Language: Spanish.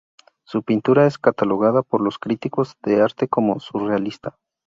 Su pintura es catalogada por los críticos de arte como surrealista.